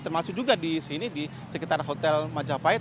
termasuk juga di sini di sekitar hotel majapahit